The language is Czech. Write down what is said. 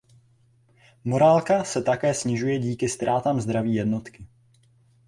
Morálka se také snižuje díky ztrátám zdraví jednotky.